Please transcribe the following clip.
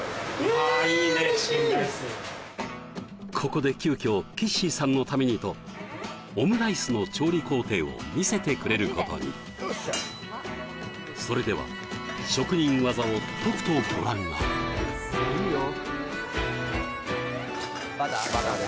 ここで急きょきっしいさんのためにとオムライスの調理工程を見せてくれることにそれでは職人技をとくとご覧あれ・バター？